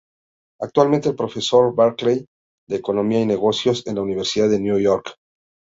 Actualmente es Profesor Berkley de Economía y Negocios en la Universidad de Nueva York.